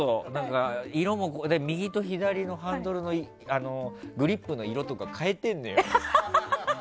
色も右と左のハンドルのグリップの色とか変えてるのよ。